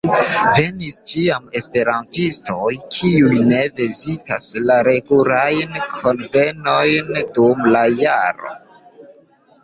Venis ĉiam esperantistoj, kiuj ne vizitas la regulajn kunvenojn dum la jaro.